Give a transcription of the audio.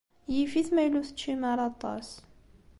Yif-it ma yella ur teččim ara aṭas.